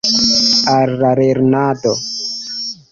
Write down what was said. Al la lernado!